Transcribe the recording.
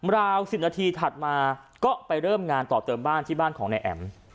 ราว๑๐นาทีถัดมาก็ไปเริ่มงานต่อเติมบ้านที่บ้านของนายแอ๋ม